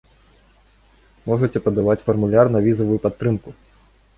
Можаце падаваць фармуляр на візавую падтрымку!